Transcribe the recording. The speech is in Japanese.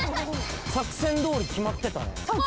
作戦どおりきまってたの？